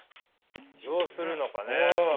どうするのかね。